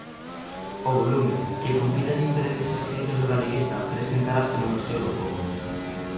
O volume, que compila diferentes escritos do galeguista, presentarase no Museo do Pobo.